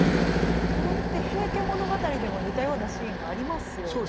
これって「平家物語」でも似たようなシーンがありますよね。